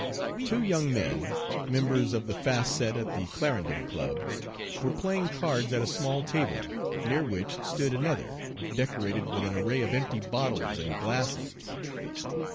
Two young men, members of the fast set at the Clarendon Club, were playing cards at a small table, near which stood another, decorated with an array of empty bottles and glasses.